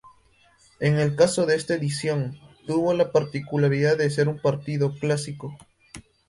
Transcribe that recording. En el caso de esta edición, tuvo la particularidad de ser un partido clásico.